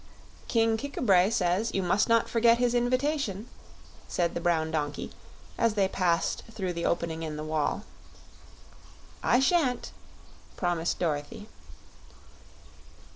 "King Kik a bray says you must not forget his invitation," said the brown donkey, as they passed through the opening in the wall. "I shan't," promised Dorothy.